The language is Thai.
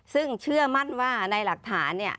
ซึ่งเชื่อมั่นว่าในหลักฐานเนี่ย